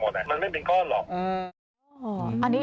เลือดมันก็ไหลออกหมดมันไม่เป็นก้อนหรอก